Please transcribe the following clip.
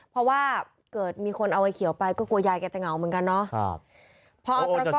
เพราะว่าเกิดมีคนเอาไอเขียวไปก็กลัวยายแกจะเหงาเหมือนกันเนาะ